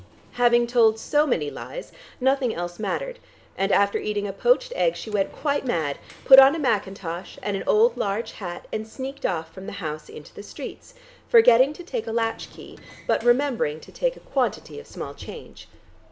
Having told so many lies, nothing else mattered, and after eating a poached egg she went quite mad, put on a mackintosh and an old large hat and sneaked off from the house into the streets, forgetting to take a latch key, but remembering to take a quantity of small change.